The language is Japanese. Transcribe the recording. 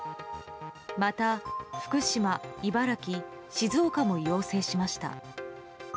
また、福島、茨城、静岡も要請しました。